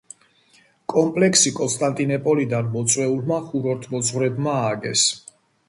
კომპლექსი კონსტანტინოპოლიდან მოწვეულმა ხუროთმოძღვრებმა ააგეს.